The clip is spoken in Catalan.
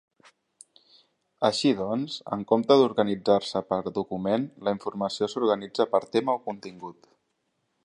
Així doncs, en comptes d'organitzar-se per document, la informació s'organitza per tema o contingut.